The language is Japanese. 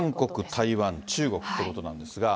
韓国、台湾、中国ということなんですが。